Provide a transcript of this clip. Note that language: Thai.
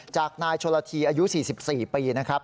จากนายชนละทีอายุ๔๔ปีนะครับ